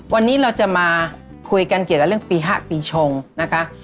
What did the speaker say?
วันนี้เราจะมาคุยกันเกี่ยวกับเรื่องปี๕ปีชงนะคะ